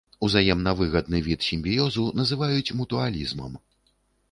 Узаемна выгадны від сімбіёзу называюць мутуалізмам.